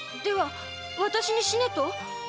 では私に死ねと？